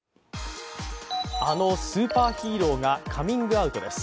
あのスーパーヒーローがカミングアウトです。